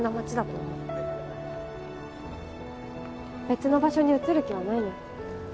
別の場所に移る気はないの？